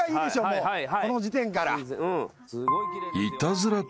もうこの時点から。